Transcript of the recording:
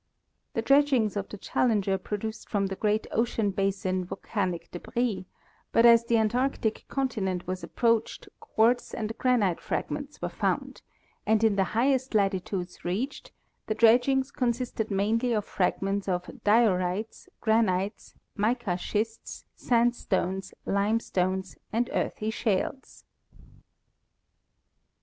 The dredgings of the Challenger produced from the great ocean basins volcanic débris, but as the Antarctic continent was approached quartz and granite fragments were found, and in the highest latitudes reached the dredgings consisted mainly of fragments of diorites, granites, mica schists, sandstones, limestones, and earthy shales.